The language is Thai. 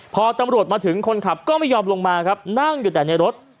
พอตำรวจมาถึงคนขับก็ไม่ยอมลงมาครับนั่งอยู่แต่ในรถ